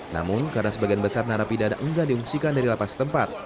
namun karena sebagian besar narapidana enggak diungsikan dari lapas tempat